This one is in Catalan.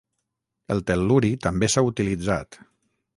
El tel·luri també s'ha utilitzat.